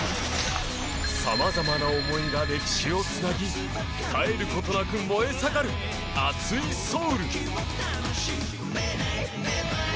様々な思いが歴史をつなぎ絶えることなく燃え盛る熱いソウル。